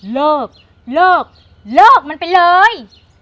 เลิกเลิกมันไปเลย